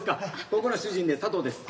ここの主人で佐藤です。